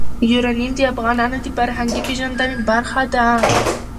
یورانیم د افغانانو د فرهنګي پیژندنې برخه ده.